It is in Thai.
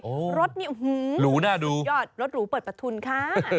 โอ้รถนี้อื้อหือหรูน่าดูสุดยอดรถหรูเปิดประทุนค่ะ